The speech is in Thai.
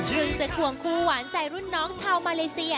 พึ่งเจ็ดห่วงครูหวานใจรุ่นน้องชาวมาเลเซีย